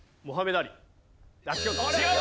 違う！